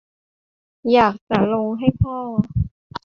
อยากจะลงให้พ่อ